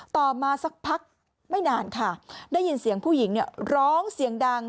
ต่อมาสักพักไม่นานค่ะได้ยินเสียงผู้หญิงเนี่ยร้องเสียงดัง